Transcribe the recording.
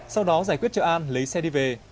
sau đó giải quyết cho an lấy xe đi về